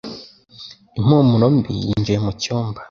Impumuro mbi yinjiye mu cyumba.